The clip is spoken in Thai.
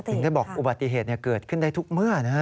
ถึงได้บอกอุบัติเหตุเกิดขึ้นได้ทุกเมื่อนะฮะ